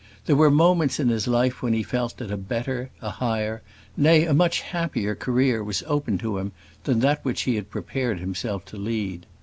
There were moments in his life when he felt that a better, a higher, nay, a much happier career was open to him than that which he had prepared himself to lead.